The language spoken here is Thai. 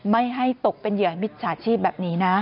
ไม่ให้ตกเป็นเหยื่อมิจฉาชีพแบบนี้นะ